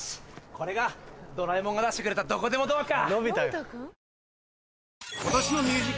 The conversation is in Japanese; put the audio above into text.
これがドラえもんが出してくれたどこでもドアか！